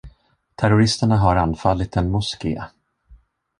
Terroristerna har anfallit en moské.